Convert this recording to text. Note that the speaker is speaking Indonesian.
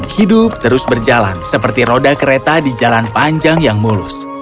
hidup terus berjalan seperti roda kereta di jalan panjang yang mulus